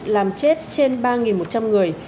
làm chết trên ba một trăm linh người